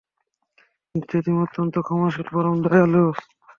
নিশ্চয় তুমি অত্যন্ত ক্ষমাশীল, পরম দয়ালু।